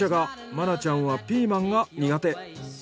真奈ちゃんはピーマンが苦手。